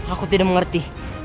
aku tidak mengerti